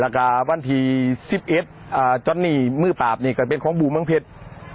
กาวันที่๑๑จอนนี่มือปราบนี่ก็เป็นของบู่เมืองเพชร